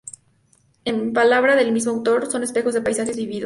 En palabras del mismo autor son espejos de paisajes vividos.